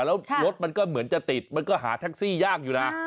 แล้วรถมันก็เหมือนจะติดมันก็หาแท็กซี่ยากอยู่นะ